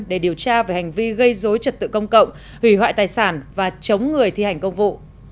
để điều tra về hành vi gây dối trật tự công cộng hủy hoại tài sản và chống người thi hành công vụ